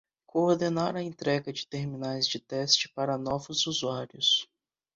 Coordenar a entrega de terminais de teste para novos usuários.